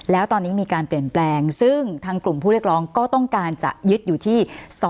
แล้วตอนนี้มีการเปลี่ยนแปลงซึ่งทางกลุ่มผู้เรียกร้องก็ต้องการจะยึดอยู่ที่